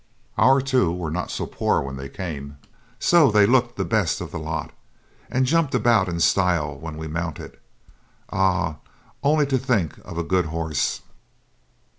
Our two were not so poor when they came, so they looked the best of the lot, and jumped about in style when we mounted. Ah! only to think of a good horse.